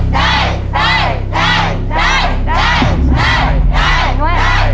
แปล๑ข้อแล้ว